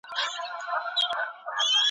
چي ظالم واکمن ته وځلوي توره !.